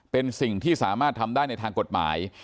เป็นสิ่งที่สามารถทำได้ในทางกฎหมาย